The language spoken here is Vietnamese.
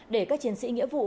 để các chiến sĩ nghĩa vụ